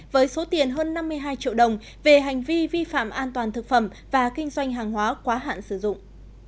với số tiền hơn năm mươi hai triệu đồng về hành vi vi phạm an toàn thực phẩm và kinh doanh hàng hóa quá hạn sử dụng